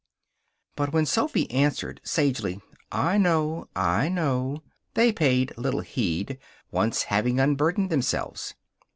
But when Sophy answered, sagely, "I know; I know," they paid little heed, once having unburdened themselves.